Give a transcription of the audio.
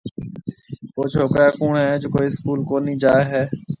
او ڇوڪرا ڪوُڻ هيَ جڪو اسڪول ڪونِي جائي هيَ۔